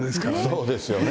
そうですよね。